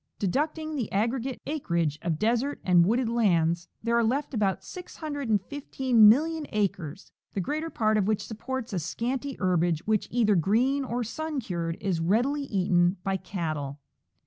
Deducting the aggre gate acreage of desert and wooded lands, there are left about 615.600,000 acres, the greater part of which supports a scanty herbage which, either green or sun cured, is readily eaten by cattle.